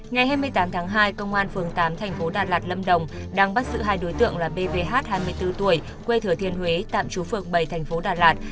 ngày hai mươi tám tháng hai công an phường tám thành phố đà lạt lâm đồng đang bắt giữ hai đối tượng là bvh hai mươi bốn tuổi quê thừa thiên huế tạm trú phường bảy thành phố đà lạt